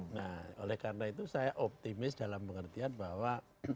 nah oleh karena itu saya optimis dalam pengertian bahwa